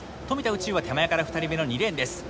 宇宙は手前から２人目の２レーンです。